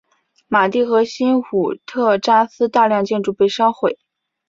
马蒂和新武特扎斯大量建筑被烧毁。